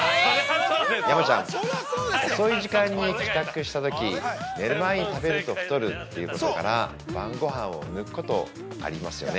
山ちゃん、遅い時間に帰宅したとき寝る前に食べると太るということから、晩ごはんを抜くことありますよね。